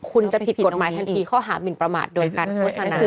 คุณจะผิดกฎหมายทันทีข้อหามินประมาทโดยการโฆษณา